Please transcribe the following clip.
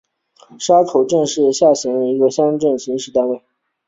沙口镇是下辖的一个乡镇级行政单位。